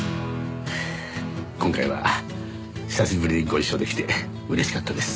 今回は久しぶりにご一緒できて嬉しかったです。